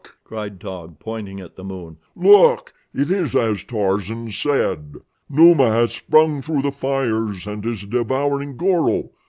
cried Taug, pointing at the moon. "Look! It is as Tarzan said. Numa has sprung through the fires and is devouring Goro.